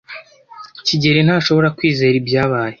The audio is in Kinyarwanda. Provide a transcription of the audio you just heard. kigeli ntashobora kwizera ibyabaye.